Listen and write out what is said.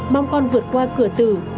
mong con vượt qua cửa tử